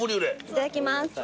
いただきます。